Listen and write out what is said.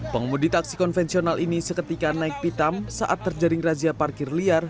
pengemudi taksi konvensional ini seketika naik pitam saat terjaring razia parkir liar